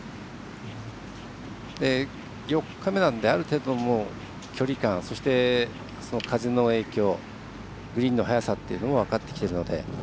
４日目なので、ある程度距離感そして、風の影響グリーンの速さというのも分かってきてるので。